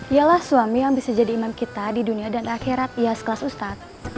ialah suami yang bisa jadi imam kita di dunia dan akhirat ia sekelas ustadz